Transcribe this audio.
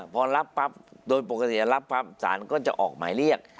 พอรับปั๊บโดยปกติรับปั๊บศาลก็จะออกหมายเรียก